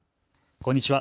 こんにちは。